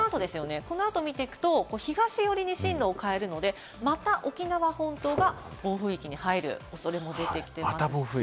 この後見ていくと東寄りに進路を変えるので、また沖縄本島が暴風域に入る恐れも出てきています。